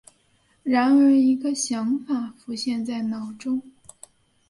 忽然一个想法浮现在脑中